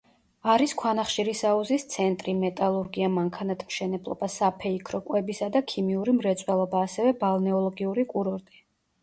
არის ქვანახშირის აუზის ცენტრი, მეტალურგია, მანქანათმშენებლობა, საფეიქრო, კვებისა და ქიმიური მრეწველობა, ასევე ბალნეოლოგიური კურორტი.